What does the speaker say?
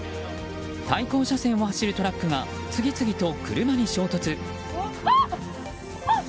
対向車線を走るトラックが次々と車に衝突。